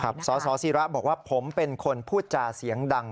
สสิระบอกว่าผมเป็นคนพูดจาเสียงดัง